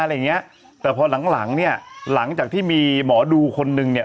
อะไรอย่างเงี้ยแต่พอหลังหลังเนี่ยหลังจากที่มีหมอดูคนนึงเนี่ย